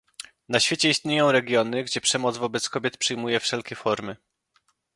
Na świecie istnieją regiony, gdzie przemoc wobec kobiet przyjmuje wszelkie formy